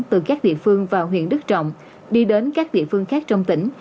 từ các địa phương vào huyện đức trọng đi đến các địa phương khác trong tỉnh